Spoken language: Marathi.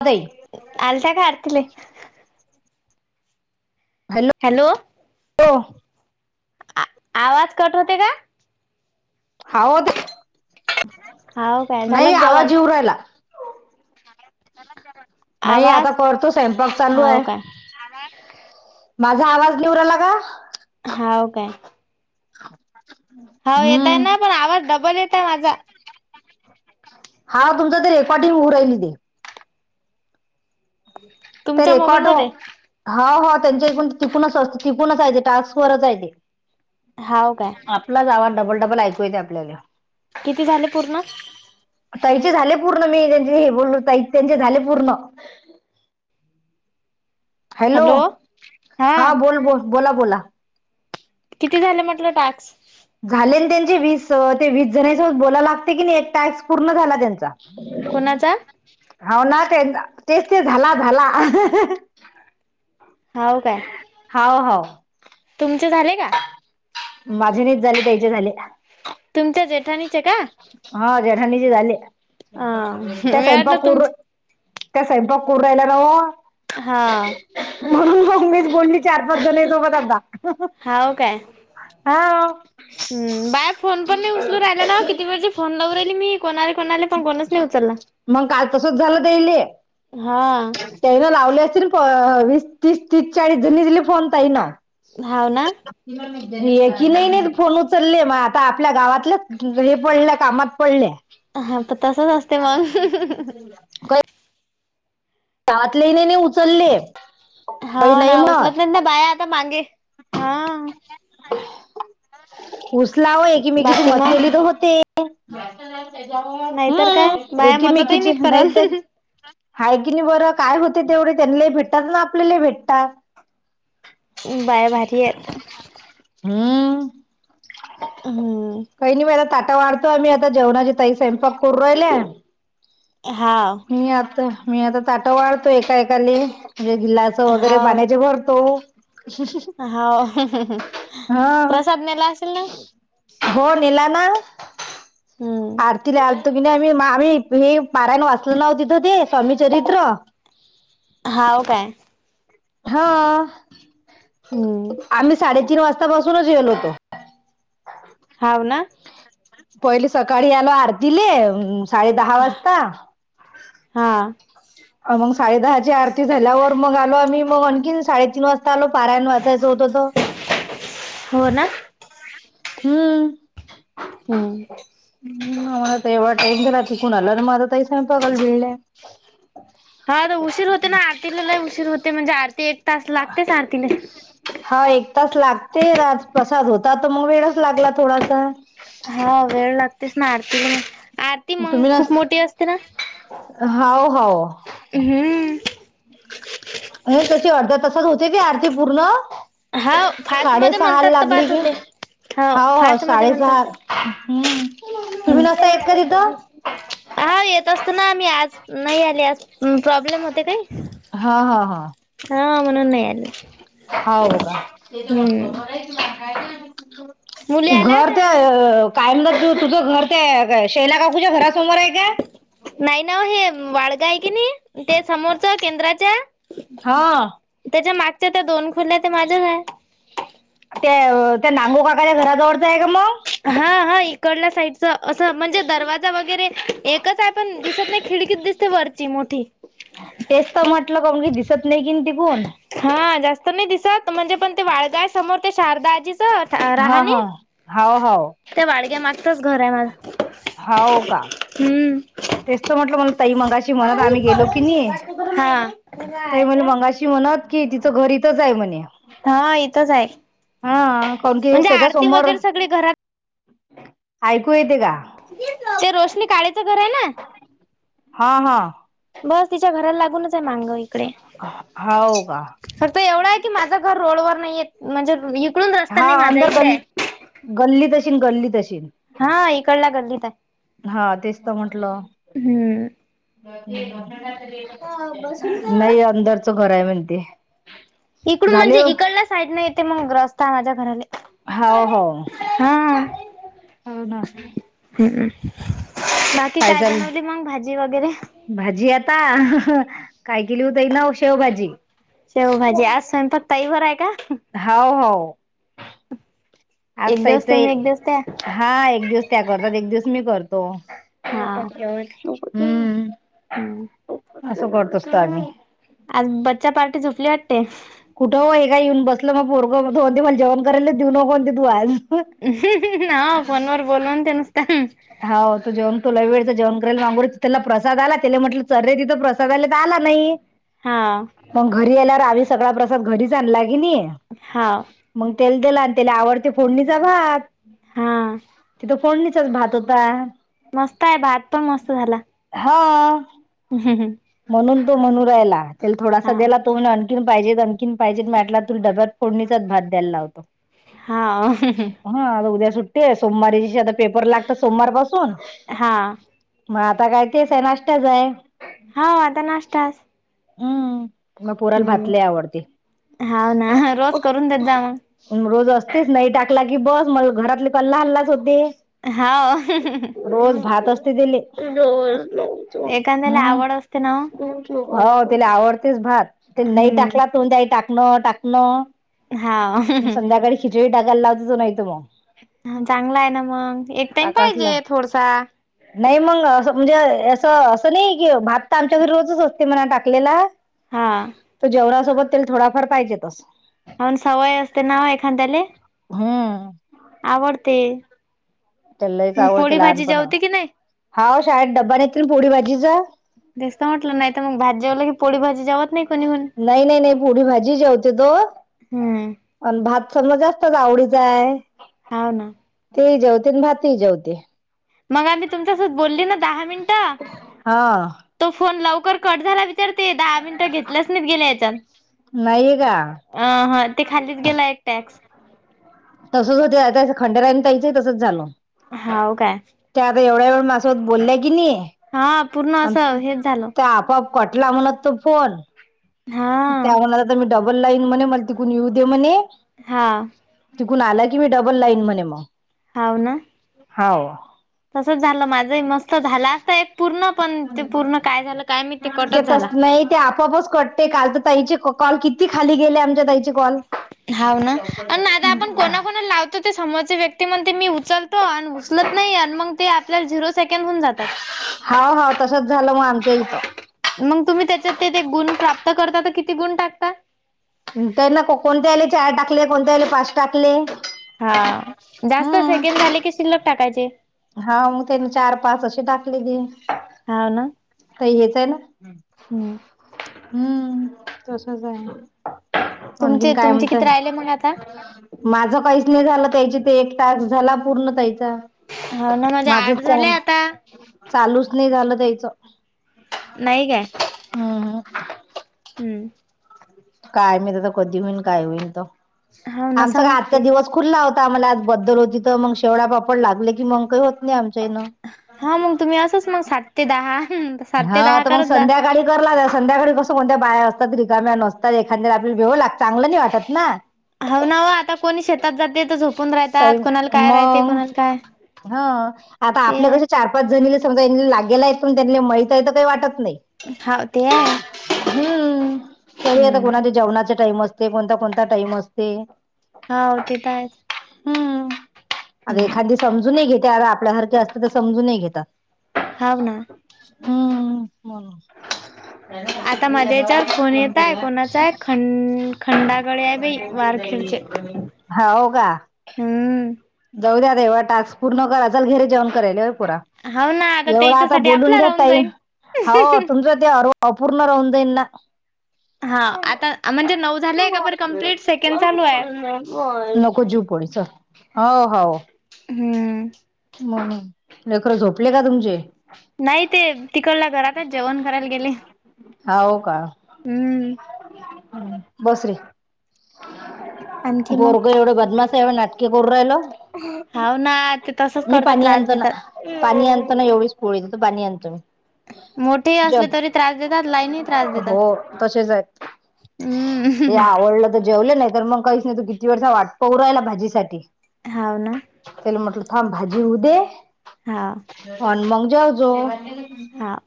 आ [unintelligible] आलता काय आरतीले? हॅलो. हॅलो. हो. आवाज कट होते का? अहो ते,, हाव काय नाही झालं जेवण आवाज ईऊ रायला. नाही आता आवाज करतो स्वयंपाक चालू हाव आय. काय माझा आवाज ईउ राहिला का.? हाव काय? हा. हो येतय ना पण आवाज डबल येतय माझा. हा तुमचा तर रेकॉर्डिंग हू राहिलं ते. हम्म. ते रेकॉर्ड हो आ हा त्यांच्या पण टिकूनच असतं, टिकूनच हाय ते टास्क वरच हाय ते. हाव काय. आपलाच आवाज डबल डबल ऐकू येतोय आपल्याला. किती झाले पूर्ण? त्याईचे झाले पूर्ण, मी त्यांचे हे बोलल त्यांचे झाले पूर्ण. हॅलो. हा बोल बोल बोला बोला. किती झाले म्हटलं टास्क? झाले त्यांचे वीसं, ते वीस जणांसोबत बोलाय लागते की नाही एक टॅक्स पूर्ण झाला त्यांचा. कूणाचा? हो ना ते, तेच ते झाला झाला. होव काय. हाव हाव. तुमचे झाले का? माझे नाही झाले, त्यांचे झाले. तुमच्या जेठानी हा जेठानी चे झाले, अ त्या मी वाटलं स्वयंपाक करू तुमचे त्या स्वयंपाक करू राहिल्या वो हा. म्हणून मग मीच बोलली चार पाच जनी सोबत आता. हाव काय? हाव. हम्म. बाय फोन पण नाही उचलू राहिला ना, किती वेळची फोन लावू राहिली मी कोणाला कोना पण कोणच नाही उचलला. मग काल तसच हा. त्याईनं लावले असतील अ वीस तीस तीस चाळीस जनिईले फोन ताई न. हाव ना? [unintelligible] त्यांनी एकी की नाही नाही फोन उचलले मग आता आपल्या गावातलं हे पडल्या कामात पडल्या. हा प तसच असते मग. त्यातले नी नई उचलले. हा काही ना नाही म्हणत. उचलत नाही ना बाया आता मांगे, हा. उचलाव, एकीमेकीची बाकी मदत मग केली की होते. नाहीतर काय हम्म बाया मदतही एकीमेकीचे नाहीत करल नाहीतरं हाय की नाही बरं? काय होते तेवढे त्यांनलाही भेटतात ना, आपल्याला भेटता. बाया भारी आहेत. हम्म. हम्म! काही नाही मला ताटा वाढतो आम्ही आता जेवणाचे ताई स्वयंपाक करू राहिल्या. हा. मी आता. मी आता ताट वाढतो एका एकाले म्हणजे गिलास वगैरे हाव पाण्याचे भरतो. हाव. हा प्रसाद नेला असेल ना? हो नेला ना. हम्म आरतीला आलतो की नाही आम्ही. मग आम्ही हे पारायन वाचलो नाव तिथं ते स्वामीचरित्र. हाव काय? हा. हम्म आम्ही साडेतीन वाजता पासूनच गेलो होतो. हाव ना? पहिली सकाळी आलो आरतीले एम, साडे दहा वाजता. हा. [inaudible] अ मग साडे दहा ची आरती झाल्यावर मग आलो आम्ही मग आणखी साडेतीन वाजता आलो पारयण वाचायचं होतं तर. हो ना? हम्म! हम्म! ह आमला तर एवढ टाईम झाला कुणाला आला आणि माझ तहीसा पगल भिळल्या. हा तर उशीर होते ना आरतीला ल उशीर होते म्हणजे आरती एक तास लागतेच आरतीले. हा एक तास लागते आज प्रसाद होता तर मग वेळच लागला थोडासा. हा वेळ लागतेस ना आरती आत तुम्ही नच? हव हव. हम्म. अ तशी अर्ध्या तासात होते की आरती पूर्ण. हा फास्ट मध्ये म्हणतात साडेसहाला तर लागली बात की होते. हा हाव हाव फास्ट म्हणता साडेसहा हम्म हम्म. तुम्ही नसता येत का तिथं हा येत असतो ना आम्ही आज नाही आले आज प्रॉब्लेम होते काही. हा हा हा.... हा म्हणून नाही आले. हो का. हम्म मुली [unintelligible] आल्या घर होत्या त्या माझ्या अ. काय म्हण तू तुझं घर ते शैला काकूच्या घरासमोर आहे काय. नाही ना हे वाडगा आहे की नाही ते समोरचं केंद्राच्या. हा... त्याच्या मागच्या त्या दोन खोल्या त्या माझ्याच आहे. त्या त्या नांगो काकाच्या घराजवळचं आहे का मग. हा हा इकडला साईड. असं म्हणजे दरवाजा वगैरे एकच आहे, पण दिसत नाही खिडकीत दिसते वरची मोठी. तेच तर म्हटलं कोण क दिसत नाही कि त पण. हा जास्त नाही दिसत म्हणजे पण ते वाळगाय समोर ते शारदा आजीच तिथं. राहा हा ने हा हाव हाव त्या वाडग्या मागचच घर आहे माझ. हा होव का. हम्म.... तेसत म्हटलं म्हला ताई मंगाशी म्हणत आम्ही गेलो की नाही हा ताई मंगाशी. की म्हणत तिचं घर इथंच आहे म्हणे. हा इथंच आहे. हा कोणती गोष्ट म्हणजे त्याच्या आरती समोर वगैरे सगळे घरात ऐकू येतय का. ते रोशनी काळेचं घर आहे ना. हा हा बघ तिच्या घराला लागूनच आहे मागलोई. हा हो का. फक्त एवढं आहे की माझं घर रोडवर नाहीयेत म्हणजे येत. हा अंदर गल्ली, गल्ली तशीील गल्ली तशीील. हा इकडला गल्लीत आहे. हा तेच तर म्हंटलं. हम्म. बसून [unintelligible] का नाही अंदरचं घर आहे म्हणते. इकडून झाले म्हणजे हो ईकडल्या साईड न येते मग रस्ता माझ्या घराले. हो हो... हा.... हो ना.... ह् बाकी काय बनवली मग भाजी वगैरे. भाजी आता ह ह काय केली होत ताईनव शेवभाजी. शेवभाजी आसन फक्त ताई आहे का. हाव हाव एक दिवस आजताईच. तुम्ही एक दिवस त्या हा एक दिवस त्या करतात एक दिवस मी करतो हा हम्म. हम्.... असं करत का आम्ही. आज बच्चा पार्टी झोपली वाटते. कुठं ओ हे काय येऊन बसलं म पोरगं तो म्हणते मल जेवण करायलाच देऊ नको म्हणते तू आज. हा फोन वर बोल म्हणते नुसत. हाव तो जेवतो लय वेळचा जेवण करायला मागु राहिला त्याला प्रसाद आला त्याले म्हटलं चल रे तिथं प्रस प्रसादाले त आला नाही. हा मग घरी आल्यावर आम्ही सगळा प्रसाद घरीच आणला की नाही हा मग तेला दिला आणि त्याला आवडते फोडणीचा भात हा तिथ फोडणीचाच भात होता. मस्त आहे भात पण मस्त झाला. हा हम्म हम्म म्हणून तो म्हणू राहिला त्याला थोडासा हा दे ला तो म्हणे आन खीन पाहिजे आणखीन पाहिजे म्या म्हटलं आता तुला डब्यात फोडणीचाच भात द्यायला लावतो. हा हा आता उद्या सुट्टी आहे, सोमवारी दिवशी आता पेपर लागतात सोमवार पाासून हा म आता काय तेस आहे नाश्त्याच आहे. हा आता नाश्ताच. हम्म माया पोराला भात लय हम्म आवडते. हाव ना रोज करून देत जा मग रोज असतेच नाही टाकला की बस मग घरातले कला हलाच होते. हाव रोज भात असते त्याले. एखाद्याला हम्म आवड असते ना ओ हो त्याले आवडतेच भात ते नाही हम्म काही टाकणं टाकणं हाव संध्याकाळी खिचडी टाकायला लावते तो नाहीत मग. हा चांगला आहे ना मग न एक टाईम टाकासला पाहिजे थोडसा. नाही मग अस म्हणजे असं असं नाही की भात तर आमच्या घरी रोजच असते म्हणा टाकलेला. हा तर जेवनासोबत तेल थोडाफार पाहिजेतस. होन सवय असते ना ओ एखाद्याले. हम्म आवडते तेले लईच मग आवडते पोळी भाजी लहानपणा जेवते की नाही हाव शाळेत डब्बा नेते न पोळी भाजीचा. तेस त म्हटलं नाही तर मग भात जेवला की पोळी भाजी जेवत नाहीत. नाही नाही नाही पोळी भाजी जेवते तो हम्म अन भात समजा जास्तच आवडीचा आहे. हाव ना ते ही जेवते अन भात ही जेवते. मग आधी तुमच्या सोबत बोलली ना दहा मिन हा तो फोन लवकर कट झाला विचार ते दहा मिनटं घेतल्याच नाही गेले याच्यात. नाहीये का अ ह ते खालीच गेला एक टॅक्स. तसंच होते आ खंडेरान ताईच ही तसंच झालं. हाव का ते आता एवढ्या वेळ मासोबत बोलल्या की नाही हा पूर्ण अन असं हेच झालं ते आपोआप कटला म्हणत तो फोन. हा त्या म्हणत तर मी डबल लाईन म्हणे मला तिकून येऊ दे म्हणे. हां. तिकून आला की मी डबल लाईन म्हणे मग. हाव ना. हाव तसच झाल माझही मस्त झाल असत एक पूर्ण पण ते पूर्ण काय झाल काय माहिती ते कटच झाला. नाही ते आपोआपच कट ते काल तर ताईचे कॉल किती खाली गेले आमच्या ताईचे कॉल. हाव ना अण आता आपण कोणा कोणाला लाव ते समोरचे व्यक्ती म्हणते मी उचलतो आणि उचलत नाही आणि मग ते आपल्या झिरो सेकंद होऊन जातात. हाव हाव तसच झाल मग आमच्या इथ. मग तुम्ही त्याच्यात ते ते गुण प्राप्त करता तर किती गुण टाकता. त्यांना कोणते ह्यायले चार टाकले कोणत्याला पाच टाकले. हा जास्त हम्म सेकंद झाले की शिल्लक टाकायचे. हा मग त्यानी चार पाच अशी टाकलेले. हाव ना. ताई हेच आहे ना? हम्म हम्म तसच आहे. तुमचे तुमचे किती राहिले मंग आता? माझ काहीच नाही झाल ना त्याचे ते एक टास्क झाला पूर्ण ताईचा. हाव ना माझे माझ आठ झाले चाल आता चालूच नाही झाल त्यायच. नाही काय. हम्म हम्म. काय माहित कधी होईन काय होईन ग? हाव ना आमचा काय आजचा समजते. दिवस खुल्हा होता आम्हाला आज बद्दल होती तर मग शेवडा पापड लागले की मग काही होत नाही आमच्यान. हा मग तुम्ही असंच मग सात ते दहा सात ते हां दहा तर मग करत जा. संध्याकाळी करला लागल संध्याकाळी कस. कोणत्या बाया असतात रिकाम्या नसतात एखाद्या रात्री आपल्याला भेव लाग चांगल नाही वाटत ना. हाव नाओ आता कोणी शेतात जाते तर झो आता ते आपल्या आहे कसे चार. जणीले समजा लागेलाय पण त्यांनी माहित आहे तर काही वाटत नाही. हां ते आहे. हम्म तरी आता हम्म कोणाचा जेवणाचा टाईम असते कोणता कोणता टाईम असते. हाव ते तर आहे. हम्म आतख एखादी समजूनही घेते आता आपल्यासारखे असते तर समजूनही घेतात. हाव ना. हम्म हम्म आता माझ्या याच्यावर फोन येताय कोणाचा आहे खंड खंडागळे आहे बाई वारखेडचे. हाव का. हम्म. जाऊ दे आता एवढा टास्क पूर्ण करा, चल घरीे जेवण करायचय पोरा. हो ना एवढ आता त्याच्यासाठी बोलून आपला घ्या राहून ताई जाईल हो तुमच. ते अपूर्ण राहून जाईल ना. [inaudible] हा आता म्हणजे नऊ झालेय का बरं कंमप्लीट? सेकंड चालूय. नको जीव पोळी चल हो हो म्हणून लेकरु झोपले का तुमचे? नाई ते तिकडला घरातच जेवण करायला गेले. होव का. हम्म. बस रे, आणखी मग पोरगं एवढा बदमाश हाय म्हणणार. की करू राहिल, हाव ना ते तसच मी करतात पाणी त्रास आणतो ना. देतात पाणी आणतो ना एवढीच पोळी द त पाणी आणतोय मी. मोठेही ज असले तरी त्रास देतात लहानही त्रास देतात हो तसेच हाय. हे हम्म आवडलं तर जेवलं नाय तर मग काईच नाय तू किती वर्ष वाट पाउ रायला भाजीसाठी? हाव ना. त्याला म्हटलं, थांब भाजी होऊ दे. हा. अन मग जेव जो. हां.